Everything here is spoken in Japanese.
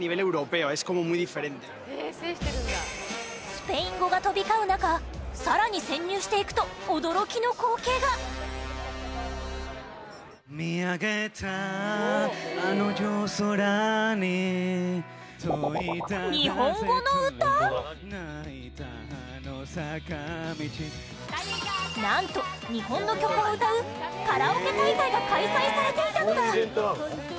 スペイン語が飛び交う中更に潜入していくと驚きの光景がなんと、日本の曲を歌うカラオケ大会が開催されていたのだ